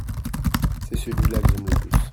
c'est celui-là que j'aime le plus.